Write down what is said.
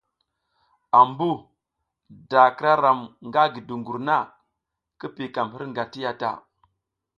Ambu da k ira ram nga gi dungur na, ki kiykam hirnga ti ya ta.